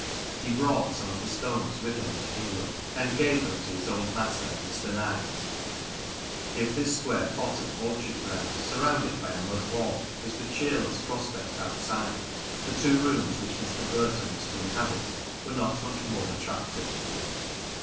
He brought some of the stones with him to England, and gave them to his old master, Mr. Knight, if this square plot of orchard ground, surrounded by a mud wall, was the cheerless prospect outside, the two rooms which Mr. Burton was to inhabit were not much more attractive.